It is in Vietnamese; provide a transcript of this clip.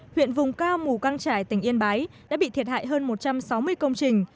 huyện vùng cao mù căng trải tỉnh yên bái đã bị thiệt hại hơn một trăm sáu mươi công trình